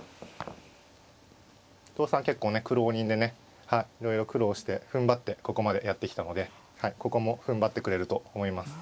伊藤さん結構ね苦労人でねいろいろ苦労してふんばってここまでやってきたのでここもふんばってくれると思います。